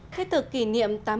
khai tự kỷ niệm tám mươi bảy năm